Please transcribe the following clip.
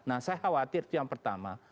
nah saya khawatir itu yang pertama